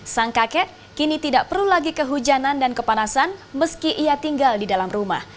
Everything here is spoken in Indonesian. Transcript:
sang kakek kini tidak perlu lagi kehujanan dan kepanasan meski ia tinggal di dalam rumah